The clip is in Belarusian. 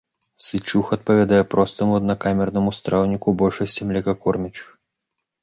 Сычуг адпавядае простаму аднакамернаму страўніку большасці млекакормячых.